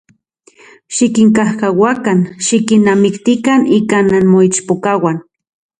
Xikinkajkauakan, xikinnamiktikan ika nanmoichpokauan.